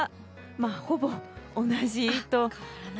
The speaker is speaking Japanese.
ほぼ同じと。